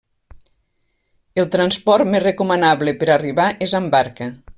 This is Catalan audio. El transport més recomanable per arribar és amb barca.